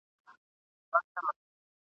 جهنم ته چي د شیخ جنازه یوسي !.